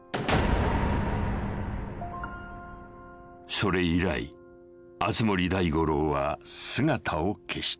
［それ以来熱護大五郎は姿を消した］